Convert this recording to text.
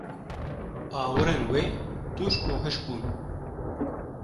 Awirên wê tûj û hişk bûn.